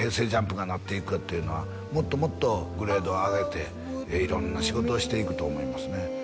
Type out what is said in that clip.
ＪＵＭＰがなっていくかっていうのはもっともっとグレードを上げて色んな仕事をしていくと思いますね